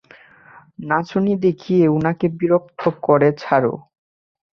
নাচুনি দেখিয়ে ওনাকে বিরক্ত করে ছাড়ো!